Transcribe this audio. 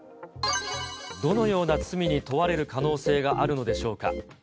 どのような罪に問われる可能性があるのでしょうか。